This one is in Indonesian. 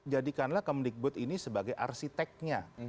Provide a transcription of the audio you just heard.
jadikanlah kemendikbud ini sebagai arsiteknya